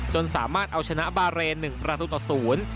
สามารถเอาชนะบาเรน๑ประตูต่อศูนย์